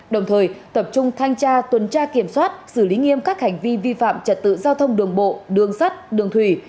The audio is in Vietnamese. đồng thời tập trung thanh tra tuần tra kiểm soát xử lý nghiêm các hành vi vi phạm trật tự giao thông đường bộ đường sắt đường thủy